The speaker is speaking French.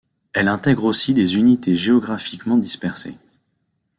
Elle intègre aussi des unités géographiquement dispersées.